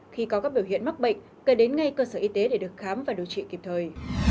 khi có các biểu hiện mắc bệnh cần đến ngay cơ sở y tế để được khám và điều trị kịp thời